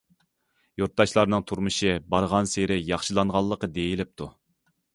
يۇرتداشلارنىڭ تۇرمۇشى بارغانسېرى ياخشىلانغانلىقى دېيىلىپتۇ.